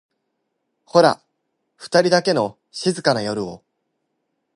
ホラふたりだけの静かな夜を